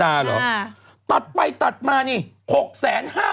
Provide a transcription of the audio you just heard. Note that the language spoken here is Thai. คุณหมอโดนกระช่าคุณหมอโดนกระช่า